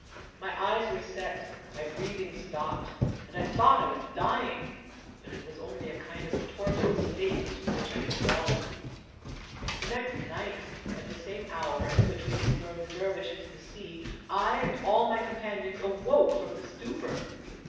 My eyes were set, my breathing stopped, and I thought I was dying ; but it was only a kind of torpid state into which I had fallen. " The next night, at the same hour in which we had thrown the dervis into the sea, I and all my companions awoke from the stupor.